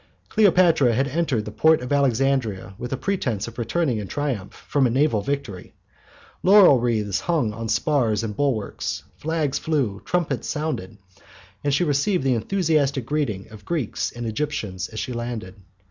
Cleopatra had entered the port of Alexandria with a pretence of returning in triumph from a naval victory. Laurel wreaths hung on spars and bulwarks, flags flew, trumpets sounded, and she received the enthusiastic greetings of Greeks and Egyptians as she landed.